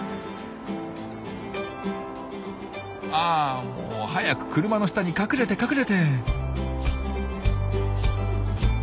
あ早く車の下に隠れて隠れて！